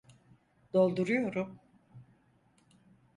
Dolduruyorum!